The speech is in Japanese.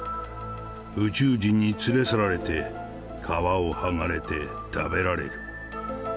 宇宙人に連れ去られて、皮を剥がれて食べられる。